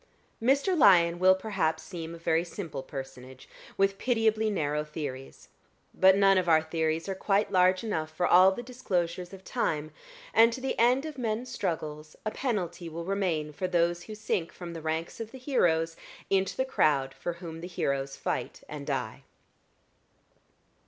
Mr. Lyon will perhaps seem a very simple personage, with pitiably narrow theories; but none of our theories are quite large enough for all the disclosures of time, and to the end of men's struggles a penalty will remain for those who sink from the ranks of the heroes into the crowd for whom the heroes fight and die.